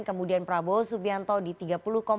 kemudian prabowo subianto di tiga puluh delapan persen